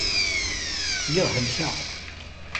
Lliɣ helkeɣ.